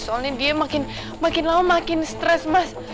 soalnya dia makin lama makin stres mas